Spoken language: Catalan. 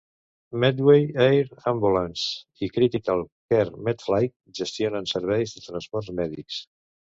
Medway Air Ambulance i Critical Care Medflight gestionen serveis de transports mèdics.